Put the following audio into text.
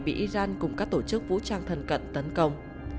bị iran cùng các tổ chức vũ trang thần cận tấn công